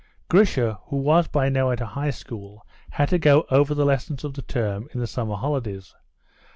Grisha, who was by now at a high school, had to go over the lessons of the term in the summer holidays.